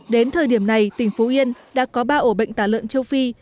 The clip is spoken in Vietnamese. đến thời điểm này tỉnh phú yên đã có ba ổ bệnh tả lợn châu phi